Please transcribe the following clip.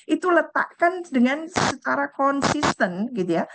itu letakkan dengan secara konsisten gitu ya